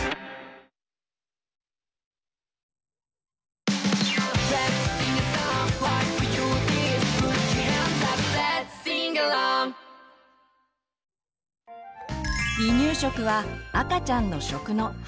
離乳食は赤ちゃんの「食」の初めの一歩。